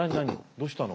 どうしたの？